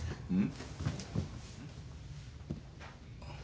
うん？